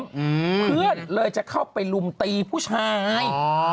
เพื่อนเลยจะเข้าไปลุมตีผู้ชาย